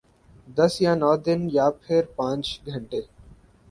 دس یا نو دن یا پھر پانچ گھنٹے؟